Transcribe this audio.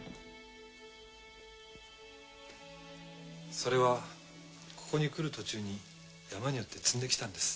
それはここに来る途中に山に寄って摘んできたんです。